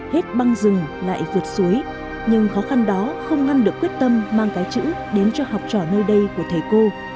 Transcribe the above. hết băng rừng lại vượt suối nhưng khó khăn đó không ngăn được quyết tâm mang cái chữ đến cho học trò nơi đây của thầy cô